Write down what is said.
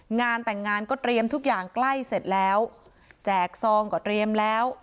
งานแต่งงานก็เตรียมทุกอย่างใกล้เสร็จแล้วแจกซองก็เตรียมแล้ว